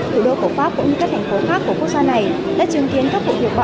thủ đô của pháp cũng như các thành phố khác của quốc gia này đã chứng kiến các vụ hiệu bạo lực hùng pháp